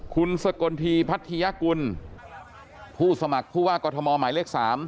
คุณสกลทีพัทยากุลผู้สมัครผู้ว่ากอทมหมายเลข๓